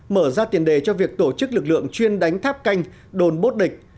mở ra tiền đề cho việc tổ chức lực lượng chuyên đánh tháp canh đồn bốt địch